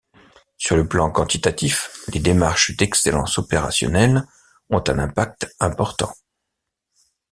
Sur le plan quantitatif, les démarches d'excellence opérationnelle ont un impact important.